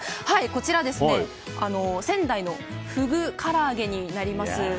こちらは仙台のフグからあげになります。